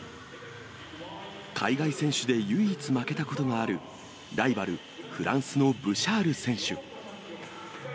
海外選手で唯一、負けたことがあるライバル、フランスのブシャール選手。